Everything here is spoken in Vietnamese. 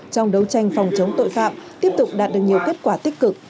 trong đấu tranh phòng chống tội phạm tiếp tục đạt được nhiều kết quả tích cực